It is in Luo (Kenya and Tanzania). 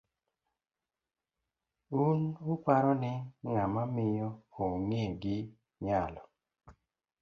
Un uparo ni ng'ama miyo ong 'e gi nyalo?